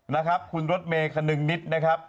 นะครับคุณรถเมย์คนึงนิดนะครับ